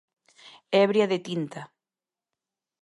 Ebria de tinta.